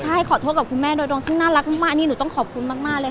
ใช่ขอโทษกับคุณแม่โดยตรงซึ่งน่ารักมากนี่หนูต้องขอบคุณมากเลย